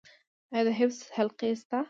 آیا د حفظ حلقې شته؟